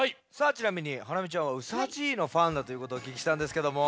ちなみにハラミちゃんはうさじいのファンだということをおききしたんですけども。